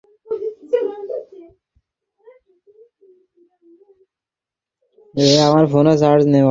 বাস্তবিক পৃথিবী তো নড়িতেছে না, রেলগাড়ীই চলিতেছে।